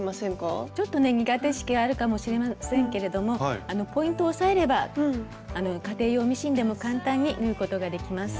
ちょっとね苦手意識があるかもしれませんけれどもポイントを押さえれば家庭用ミシンでも簡単に縫うことができます。